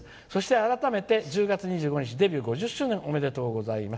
改めて１０月２５日デビュー５０周年おめでとうございます」。